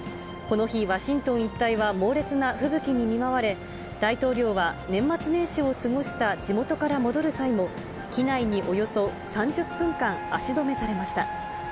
この日、ワシントン一帯は猛烈な吹雪に見舞われ、大統領は、年末年始を過ごした地元から戻る際も、機内におよそ３０分間、足止めされました。